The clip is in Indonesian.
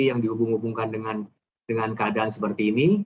yang dihubung hubungkan dengan keadaan seperti ini